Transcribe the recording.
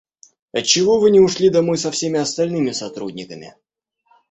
Отчего Вы не ушли домой со всеми остальными сотрудниками?